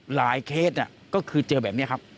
เคสก็คือเจอแบบนี้ครับ